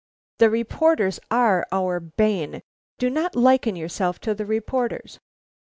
"The reporters are our bane. Do not liken yourself to the reporters."